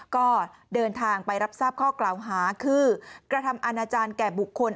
ก็เดินทางไปรับทราบข้อกล่าวหาคือกระทำอาณาจารย์แก่บุคคล